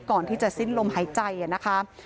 ก่อนที่จะสิ้นลมหายใจนะคะ